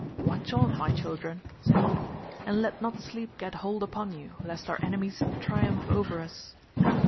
"Watch on, my children," said he, "and let not sleep get hold upon you, lest our enemies triumph over us."